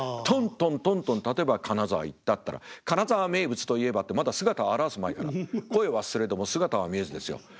とんとんとんとん例えば金沢行ったっていったら「金沢名物といえば」ってまだ姿を現す前から声はすれども姿は見えずですよ。